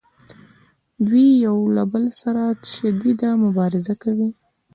دوی یو له بل سره شدیده مبارزه کوي